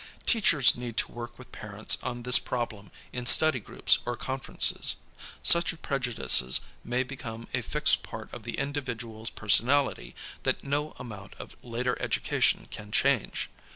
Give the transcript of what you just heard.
Teachers need to work with parents on this problem in study groups or conferences. Such prejudices may become a fixed j)art of the individual's personality that no amount of later education can change.